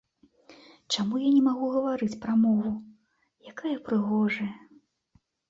Чаму я не магу гаварыць пра мову, якая прыгожая.